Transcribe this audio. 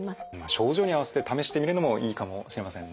症状に合わせて試してみるのもいいかもしれませんね。